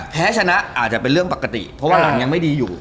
แพ้ชนะอาจจะเป็นเรื่องปกติเพราะว่าเรายังไม่ดีอยู่